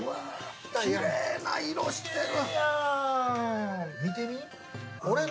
きれいな色してる！